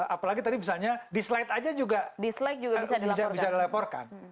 apalagi tadi misalnya di slide aja juga bisa dilaporkan